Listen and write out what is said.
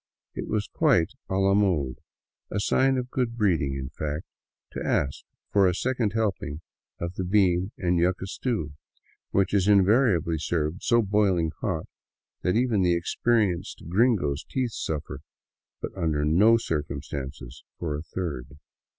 It was quite a la mode, a sign of good breeding, in fact, to ask for a second helping of the bean and yuca stew — which is invariably served so boiling hot that even the expe rienced " gringo's " teeth suffer — but under no circumstances for a third.